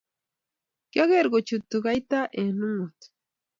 kiager kochute kaita eng ungot.